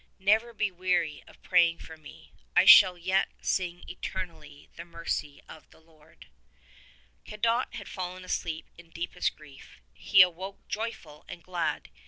never he zveary of praying for me; I shall yet sing eternally the mercy of the Lord" Cadoc had fallen asleep in deepest grief : he awoke joyful and glad.